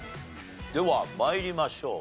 では参りましょう。